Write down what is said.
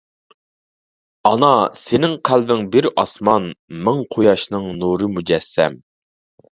ئانا سېنىڭ قەلبىڭ بىر ئاسمان، مىڭ قۇياشنىڭ نۇرى مۇجەسسەم.